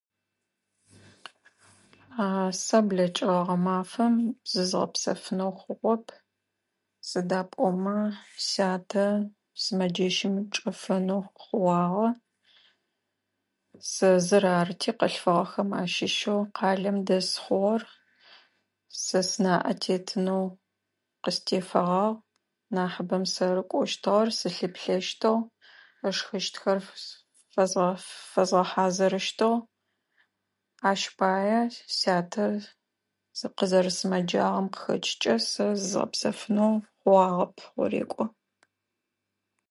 Сэ блэкӏыгъэ гъэмафэм зызгъэпсэфынэу хъугъоп сыда пӏомэ сятэ сымэджэщым чъэфэнэу хъугъагъэ. Сэ зыр арти къылъфыгъэхэм ащыщэу къалэм дэс хъугъор сэ сынаӏэ тетынэу къыстефэгъагъ, нахьыбэм сэры кӏощтыгъэр, сылъыплъэщтыгъ, ышхыщтхэр [unintelligible] фэзгъэ-фэзгъэхьазырщтыгъ ащ пае сятэ къызэрсымэджагъэм къыхэкӏкӏэ сэ зызгъэпсэфынэу уагъэп гъорекӏо.